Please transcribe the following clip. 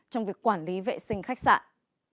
trong việc quản lý vệ sinh khách sạn